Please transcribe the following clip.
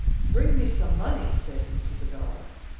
"Bring me some money," said he to the dog.